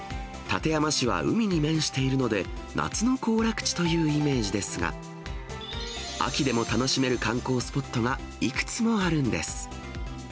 館山市は海に面しているので、夏の行楽地というイメージですが、秋でも楽しめる観光スポットが、いくつもあるんです。